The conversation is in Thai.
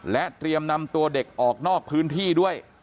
เตรียมนำตัวเด็กออกนอกพื้นที่ด้วย